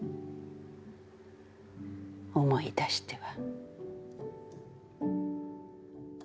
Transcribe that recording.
思い出しては。」。